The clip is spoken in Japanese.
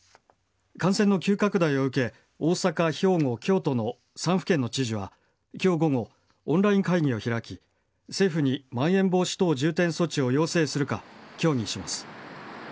感染の急拡大を受け、大阪、兵庫、京都の３府県の知事は、きょう午後、オンライン会議を開き、政府にまん延防止等重点措置を要請するか、協議します。